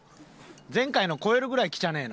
前回の超えるぐらいきちゃねえ